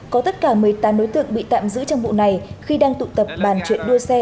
có tất cả một mươi tám đối tượng bị tạm giữ trong vụ này khi đang tụ tập bàn chuyện đua xe